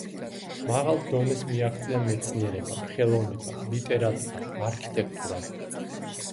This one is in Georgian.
მაღალ დონეს მიაღწია მეცნიერებამ, ხელოვნებამ, ლიტერატურამ, არქიტექტურამ.